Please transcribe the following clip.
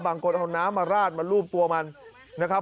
บางคนเอาน้ำมาราดมารูปตัวมันนะครับ